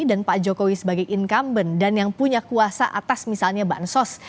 dan pak jokowi sebagai incumbent dan yang punya kuasa atas misalnya bansos